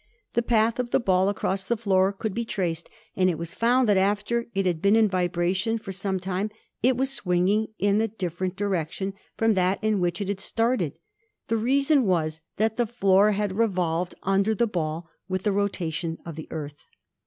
The path of the ball across the floor could be traced, and it was found that after it had been in vibration for some time it was swinging in a different direction from that in which it had started. The reason was that the floor had revolved under the ball with the rotation of the Earth.